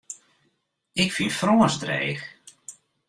Ik fyn Frânsk dreech.